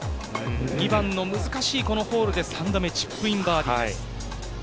２番の難しいホールで３打目、チップインバーディー。